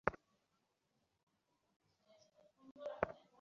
সে একা থাকে।